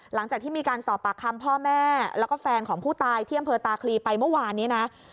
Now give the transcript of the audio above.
หลังจากที่มีการสอบปากคำพ่อแม่แล้วก็แฟนของผู้ตายที่อำเภอตาคลีไปเมื่อวานนี้นะ